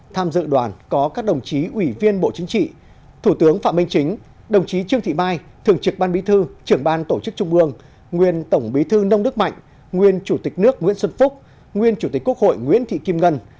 tham dự đoàn có các đồng chí ủy viên bộ chính trị thủ tướng phạm minh chính đồng chí trương thị mai thường trực ban bí thư trưởng ban tổ chức trung ương nguyên tổng bí thư nông đức mạnh nguyên chủ tịch nước nguyễn xuân phúc nguyên chủ tịch quốc hội nguyễn thị kim ngân